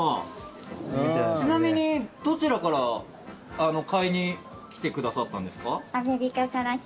ちなみに、どちらから買いに来てくださったんですか？